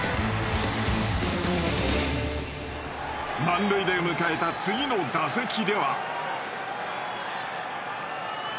満塁で迎えた次の打席では。